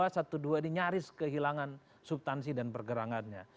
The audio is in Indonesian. dua ratus dua belas ini nyaris kehilangan subtansi dan pergerangannya